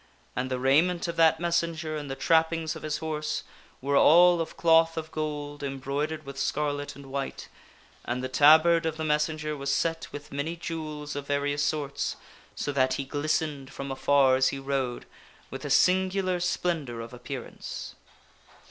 And the raiment of that messenger and the trappings of his horse were all of cloth of gold embroidered with scarlet and white, and the tabard of the messenger was set with many jewels of various sorts so that he glistened from afar as he rode, with a singular splendor of ap pearance.